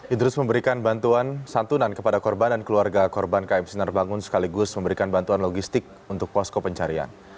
idrus memberikan bantuan santunan kepada korban dan keluarga korban km sinar bangun sekaligus memberikan bantuan logistik untuk posko pencarian